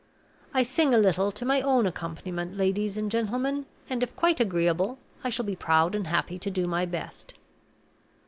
I sing a little to my own accompaniment, ladies and gentlemen; and, if quite agreeable, I shall be proud and happy to do my best."